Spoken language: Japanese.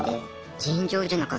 尋常じゃなかった。